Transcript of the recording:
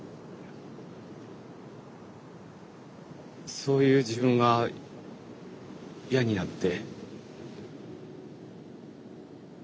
そういう自分が嫌になって。